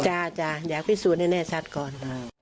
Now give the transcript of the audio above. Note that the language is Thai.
อยากพิสูจน์ให้แน่ชัดก่อน